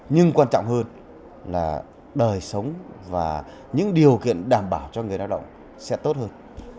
nhưng quan trọng hơn là đời sống và những điều kiện đảm bảo cho người lao động sẽ tốt hơn